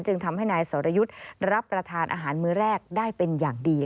ทำให้นายสรยุทธ์รับประทานอาหารมื้อแรกได้เป็นอย่างดี